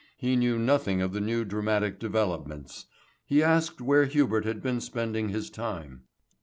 He knew nothing of the new dramatic developments. He asked where Hubert had been spending his time.